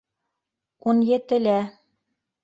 Ун етелә.